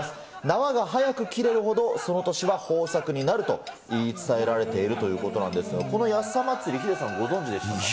縄が早く切れるほど、その年は豊作になると言い伝えられているということなんですが、このヤッサ祭り、ヒデさん、ご存じでしたか。